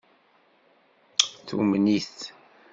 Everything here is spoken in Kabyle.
Tumen-it.